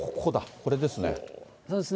これですね。